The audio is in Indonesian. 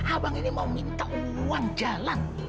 abang ini mau minta uang jalan